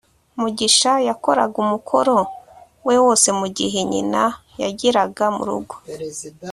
mugisha yakoraga umukoro we wose mugihe nyina yageraga murugo